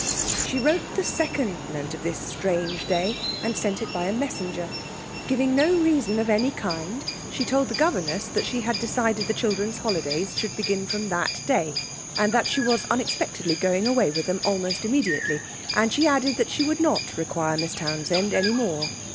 She wrote the second note of this strange day and sent it by a messenger. Giving no reason of any kind, she told the governess that she had decided the children's holidays should begin from that day, and that she was unexpectedly going away with them almost immediately, and she added that she would not require Miss Townsend any more.